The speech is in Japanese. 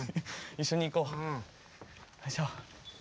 一緒に行こう。